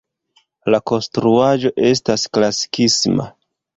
La konstruaĵo estas klasikisma.